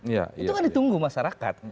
itu kan ditunggu masyarakat